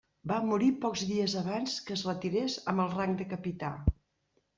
Va morir pocs dies abans que es retirés amb el rang de capità.